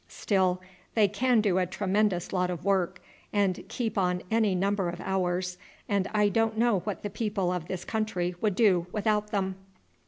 Still, they can do a tremendous lot of work, and keep on any number of hours, and I don't know what the people of this country would do without them."